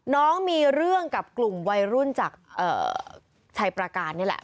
น้องมีเรื่องกับกลุ่มวัยรุ่นจากชัยประการนี่แหละ